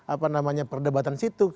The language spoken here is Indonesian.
apa namanya perdebatan situ